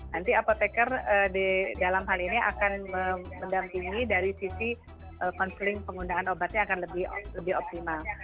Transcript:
nanti apotekar dalam hal ini akan mendampingi dari sisi counseling penggunaan obatnya akan lebih optimal